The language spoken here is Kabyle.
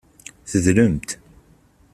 Tedlemt.